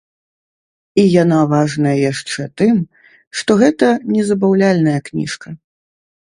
І яна важная яшчэ тым, што гэта не забаўляльная кніжка.